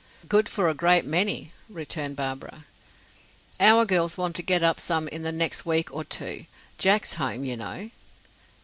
"Good for a great many," returned Barbara. "Our girls want to get up some in the next week or two. Jack's home, you know."